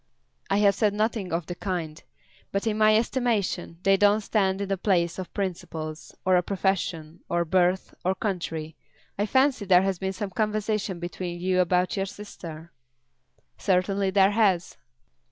"I have said nothing of the kind. But in my estimation they don't stand in the place of principles, or a profession, or birth, or country. I fancy there has been some conversation between you about your sister." "Certainly there has."